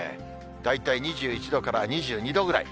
大体２１度から２２度ぐらい。